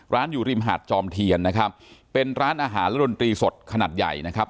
อยู่ริมหาดจอมเทียนนะครับเป็นร้านอาหารและดนตรีสดขนาดใหญ่นะครับ